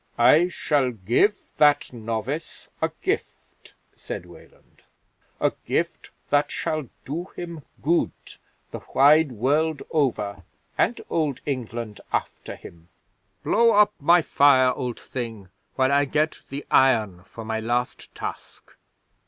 "I shall give that novice a gift," said Weland. "A gift that shall do him good the wide world over and Old England after him. Blow up my fire, Old Thing, while I get the iron for my last task."